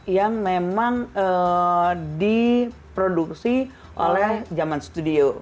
yang memang diproduksi oleh zaman studio